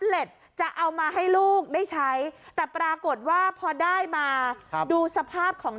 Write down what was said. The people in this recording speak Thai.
เล็ตจะเอามาให้ลูกได้ใช้แต่ปรากฏว่าพอได้มาดูสภาพของ